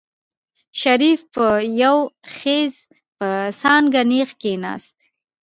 شريف په يو خېز په څانګه نېغ کېناست.